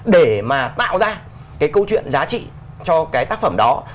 để mà tạo ra cái câu chuyện giá trị cho cái tác phẩm đó